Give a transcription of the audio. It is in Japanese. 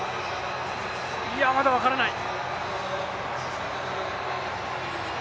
いや、まだ分からない！